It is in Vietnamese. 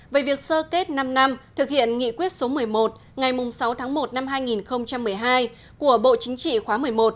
về việc sơ kết năm năm thực hiện nghị quyết số một mươi một ngày sáu tháng một năm hai nghìn một mươi hai của bộ chính trị khóa một mươi một